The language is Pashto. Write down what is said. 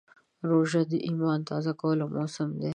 روژه د ایمان تازه کولو موسم دی.